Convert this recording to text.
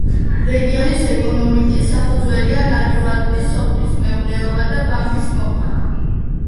რეგიონის ეკონომიკის საფუძველია ნატურალური სოფლის მეურნეობა და ბამბის მოყვანა.